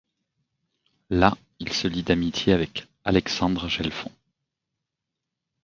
Là, il se lie d'amitié avec Alexandre Gelfond.